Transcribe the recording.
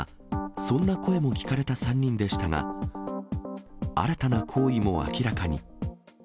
そんな声も聞かれた３人でしたが、新たな行為も明らかに。